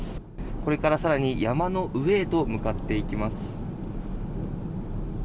これから更に山の上へと向かっていきます。